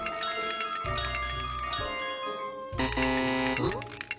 あっ？